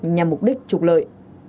nhằm mục đích trục lợi